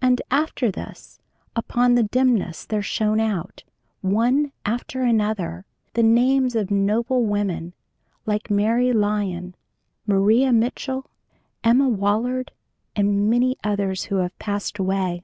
And after this, upon the dimness there shone out, one after another, the names of noble women like Mary Lyon, Maria Mitchell, Emma Willard, and many others who have passed away.